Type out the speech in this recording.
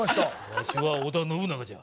わしは織田信長じゃ。